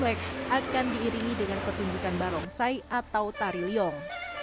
imlek akan diiringi dengan petunjukan barongsai atau tari lyong